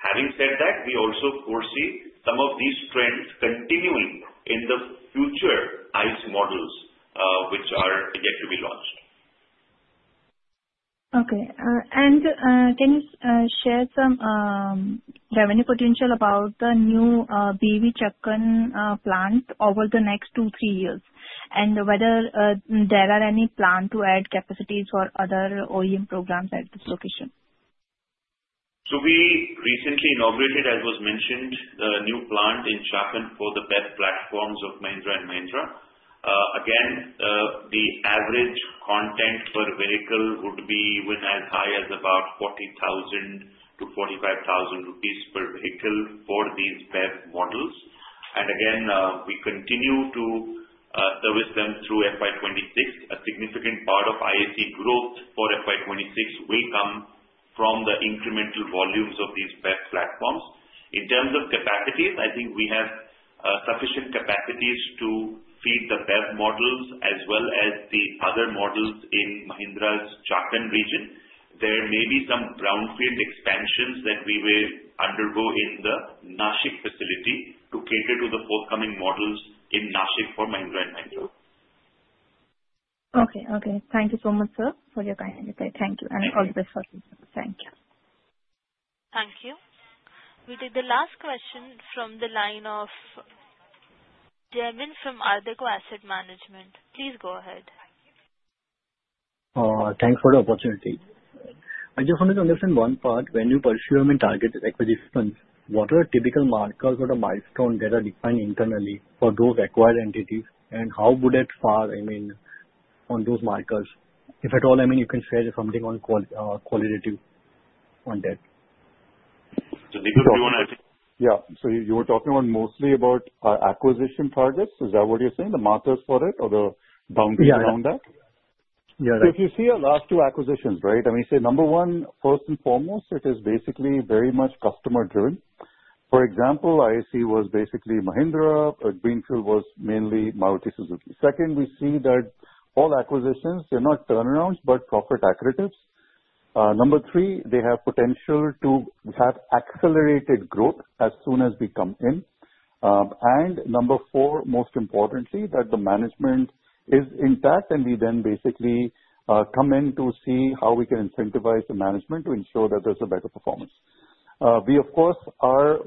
Having said that, we also foresee some of these trends continuing in the future ICE models which are yet to be launched. Okay, and can you share some revenue potential about the new BEV Chakan plant over the next two, three years, and whether there are any plan to add capacities for other OEM programs at this location? We recently inaugurated, as was mentioned, the new plant in Chakan for the PEF platforms of Mahindra & Mahindra. Again, the average content per vehicle would be as high as about 40,000-45,000 rupees per vehicle for these BEV models. And again, we continue to service them through FY 2026. A significant part of IAC growth for FY 2026 will come from the incremental volumes of these BEV platforms. In terms of capacities, I think we have sufficient capacities to feed the BEV models as well as the other models in Mahindra's Chakan region. There may be some brownfield expansions that we will undergo in the Nashik facility to cater to the forthcoming models in Nashik for Mahindra & Mahindra. Okay. Okay. Thank you so much, sir, for your kind advice. Thank you, and Apurva, thank you. Thank you. We take the last question from the line of Jermin from Ardeko Asset Management. Please go ahead. Thanks for the opportunity. I just wanted to understand one part. When you pursue and target acquisitions, what are typical markers or the milestones that are defined internally for those acquired entities, and how would it fare, I mean, on those markers? If at all, I mean, you can share something qualitative on that. So Deepak, do you want to? Yeah. So you were talking mostly about acquisition targets. Is that what you're saying? The markers for it or the boundaries around that? Yeah. Yeah. So if you see our last two acquisitions, right, I mean, say number one, first and foremost, it is basically very much customer-driven. For example, IAC was basically Mahindra. Greenfuel was mainly Maruti Suzuki. Second, we see that all acquisitions, they're not turnarounds, but profit accretives. Number three, they have potential to have accelerated growth as soon as we come in. And number four, most importantly, that the management is intact, and we then basically come in to see how we can incentivize the management to ensure that there's a better performance. We, of course, are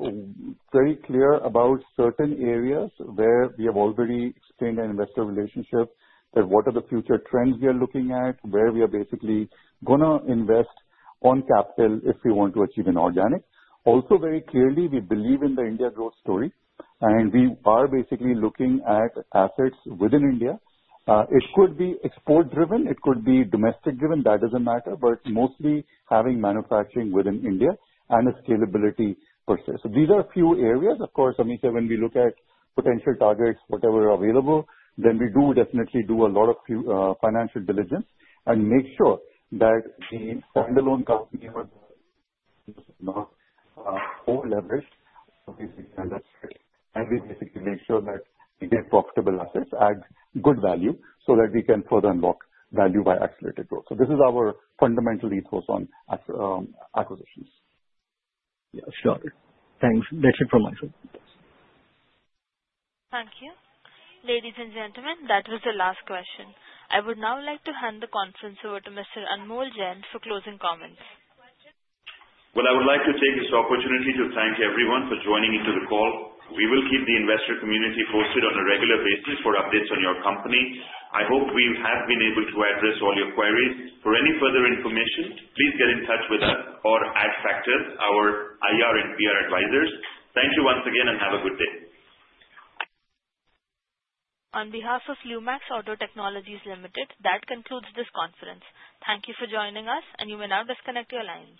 very clear about certain areas where we have already explained an investor relationship, that what are the future trends we are looking at, where we are basically going to invest on capital if we want to achieve an organic. Also, very clearly, we believe in the India growth story, and we are basically looking at assets within India. It could be export-driven. It could be domestic-driven. That doesn't matter, but mostly having manufacturing within India and a scalability process. So these are a few areas. Of course, Amit, when we look at potential targets, whatever are available, then we do definitely do a lot of financial diligence and make sure that the standalone company was not over-leveraged. And we basically make sure that it is profitable assets, adds good value so that we can further unlock value by accelerated growth. So this is our fundamental ethos on acquisitions. Yeah. Sure. Thanks. That's it from my side. Thank you. Ladies and gentlemen, that was the last question. I would now like to hand the conference over to Mr. Anmol Jain for closing comments. I would like to take this opportunity to thank everyone for joining into the call. We will keep the investor community posted on a regular basis for updates on your company. I hope we have been able to address all your queries. For any further information, please get in touch with us or Adfactors, our IR and PR advisors. Thank you once again, and have a good day. On behalf of Lumax Auto Technologies Limited, that concludes this conference. Thank you for joining us, and you may now disconnect your lines.